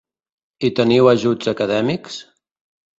I teniu ajuts acadèmics?